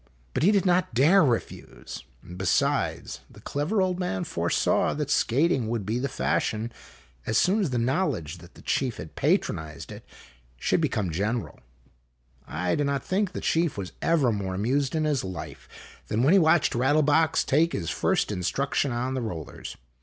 But he did not dare refuse ; and, besides, the clever old man foresaw that skating would be the fashion as soon as the knowledge that the chief had patronized it should be come general. I do not think the chief was ever more amused in his life than when he watched Rattle box take his first instruction on the rollers.